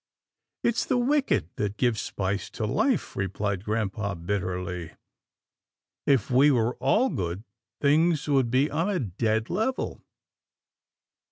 It's the wicked that give spice to life," replied grampa, bitterly. "If we were all good, things would be on a dead level."